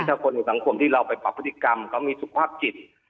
ถ้าคนอยู่สังคมที่เราไปปรับพฤติกรรมเขามีสุขภาพจิต